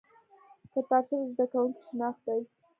کتابچه د زده کوونکي شناخت دی